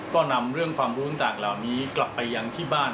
ก็นำเรื่องความรู้ต่างเหล่านี้กลับไปยังที่บ้าน